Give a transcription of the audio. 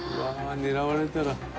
「狙われたら」